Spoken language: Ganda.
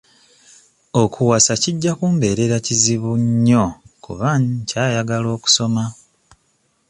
Okuwasa kijja kumbeerera kizibu nnyo kuba nkyayagala okusoma.